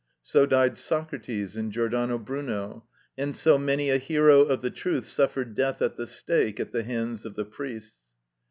So died Socrates and Giordano Bruno, and so many a hero of the truth suffered death at the stake at the hands of the priests.